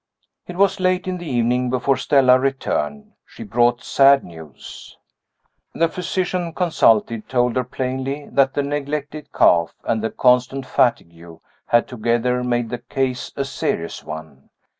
It was late in the evening before Stella returned. She brought sad news. The physician consulted told her plainly that the neglected cough, and the constant fatigue, had together made the case a serious one.